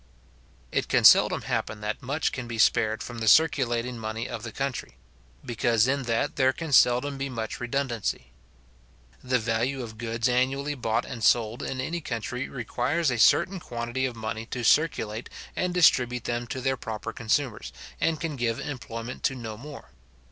It can seldom happen that much can be spared from the circulating money of the country; because in that there can seldom be much redundancy. The value of goods annually bought and sold in any country requires a certain quantity of money to circulate and distribute them to their proper consumers, and can give employment to no more.